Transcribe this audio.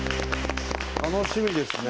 楽しみですね。